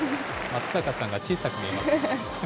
松坂さんが小さく見えます。